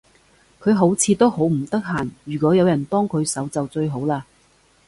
佢好似都好唔得閒，如果有人幫佢手就最好嘞